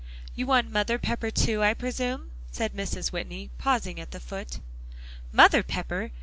"You want Mother Pepper too, I presume?" said Mrs. Whitney, pausing at the foot. "Mother Pepper?